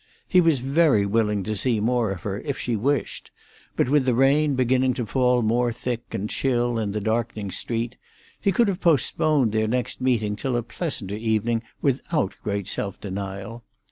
He was very willing to see more of her, if she wished; but with the rain beginning to fall more thick and chill in the darkening street, he could have postponed their next meeting till a pleasanter evening without great self denial.